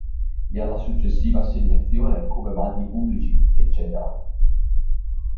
E alla successiva assegnazione, come bandi pubblici, eccetera.